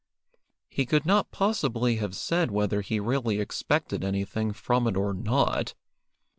He could not possibly have said whether he really expected anything from it or not.